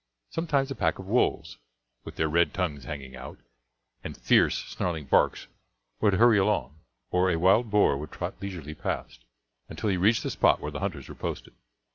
Sometimes a pack of wolves, with their red tongues hanging out, and fierce, snarling barks, would hurry along, or a wild boar would trot leisurely past, until he reached the spot where the hunters were posted.